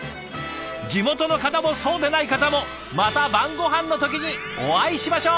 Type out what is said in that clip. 地元の方もそうでない方もまた晩ごはんの時にお会いしましょう！